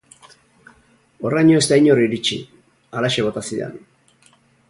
Horraino ez da inor iritsi!, halaxe bota zidan.